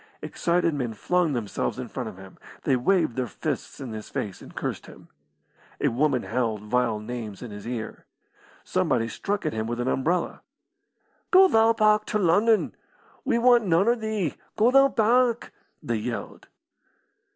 Excited men flung themselves in front of him; they waved their fists in his face and cursed him. A woman howled vile names in his ear. Somebody struck at him with an umbrella. "Go thou back to Lunnon. We want noan o' thee. Go thou back!" they yelled.